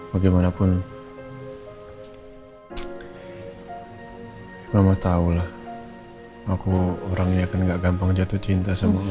bagaimanapun mama tahulah aku orangnya kan gak gampang jatuh cinta sama orang